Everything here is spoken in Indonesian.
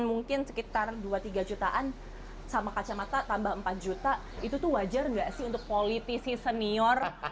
mungkin sekitar dua tiga jutaan sama kacamata tambah empat juta itu tuh wajar nggak sih untuk politisi senior